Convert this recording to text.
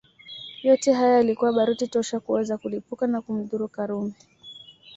Yote haya yalikuwa baruti tosha kuweza kulipuka na kumdhuru Karume